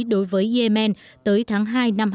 đối với yemen tới tháng hai năm hai nghìn một mươi chín